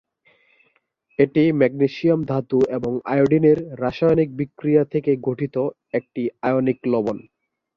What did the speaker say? এটি ম্যাগনেসিয়াম ধাতু এবং আয়োডিনের রাসায়নিক বিক্রিয়া থেকে গঠিত একটি আয়নিক লবণ।